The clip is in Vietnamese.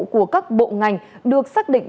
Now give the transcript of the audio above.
của các bộ ngành được xác định